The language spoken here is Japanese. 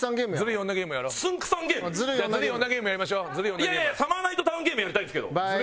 いやいや『サマーナイトタウン』ゲームやりたいんですけど。